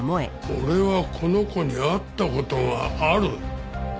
俺はこの子に会った事がある。